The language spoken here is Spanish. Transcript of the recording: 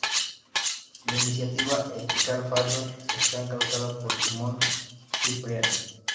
La Iniciativa Ethical Fashion está encabezada por Simone Cipriani.